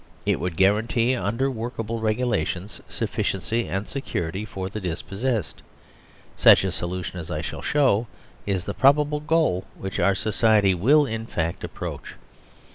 It would guarantee, under work able regulations, sufficiency and security for the dis possessed. Such a solution, as I shall show, is the probable goal which our society will in fact approach.